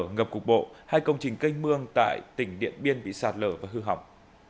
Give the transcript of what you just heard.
ngập cục bộ hai công trình canh mương tại tỉnh điện biên bị sạt lở và hư hỏng